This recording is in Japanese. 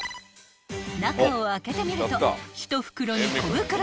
［中を開けてみると１袋に］